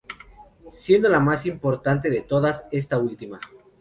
Siendo la más importante de todas, esta última.